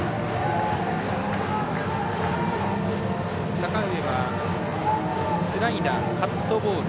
阪上は、スライダーカットボール